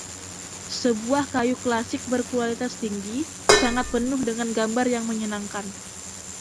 Sebuah kayu klasik berkualitas tinggi, sangat penuh dengan gambar yang menyenangkan.